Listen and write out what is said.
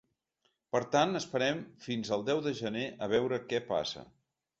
Per tant, esperem fins el deu de gener a veure què passa.